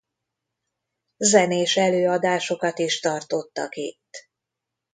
Zenés előadásokat is tartottak itt.